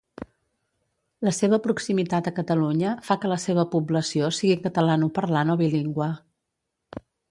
La seva proximitat a Catalunya fa que la seva població sigui catalanoparlant o bilingüe.